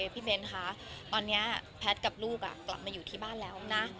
เบ้นคะตอนนี้แพทย์กับลูกกลับมาอยู่ที่บ้านแล้วนะ